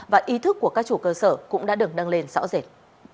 và ý thức của các chủ cơ sở cũng đã đứng đăng lên rõ rệt